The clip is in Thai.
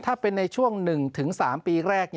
ถ้าเป็นในช่วง๑๓ปีแรก